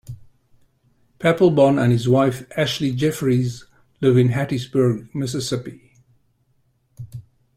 Papelbon and his wife, Ashley Jefferies, live in Hattiesburg, Mississippi.